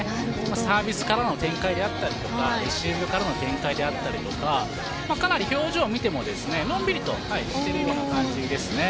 サービスからの展開であったりレシーブからの展開であったり表情を見ても、のんびりとしているような感じです。